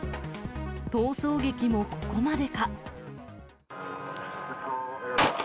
逃走劇もここまでか。